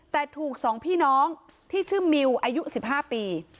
แต่ถูก๒พี่น้องที่ชื่อมิวอายุ๑๕ปี